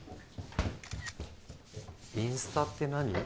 インスタって何？